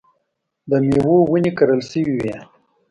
د مېوو ونې کرل شوې وې.